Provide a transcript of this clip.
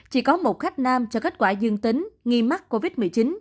chỉ có một khách nam cho kết quả dương tính nghi mắc covid một mươi chín